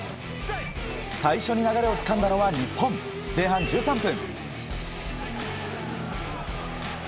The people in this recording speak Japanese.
最初に流れをつかんだのは日本前半１３分。